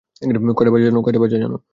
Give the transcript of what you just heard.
কয়টা বাজে জানো?